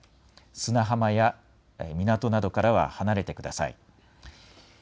砂浜や港などからは離れてください。